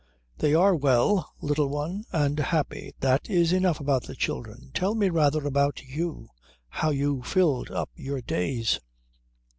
"They are well, Little One, and happy. That is enough about the children. Tell me rather about you, how you filled up your days."